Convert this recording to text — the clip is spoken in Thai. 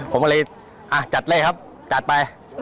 ผมก็เลยจัดเลยครับจัดไป